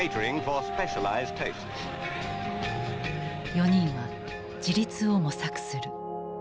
４人は自立を模索する。